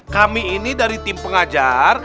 kami ini dari tim pengajar